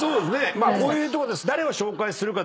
まあこういうとこです。